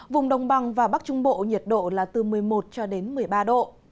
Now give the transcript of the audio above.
vùng đồng bằng và bắc trung bộ nhiệt độ là từ một mươi một cho đến một mươi ba độ